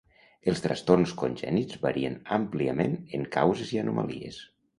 Els trastorns congènits varien àmpliament en causes i anomalies.